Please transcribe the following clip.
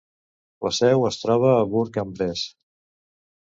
La seu es troba a Bourg-en-Bresse.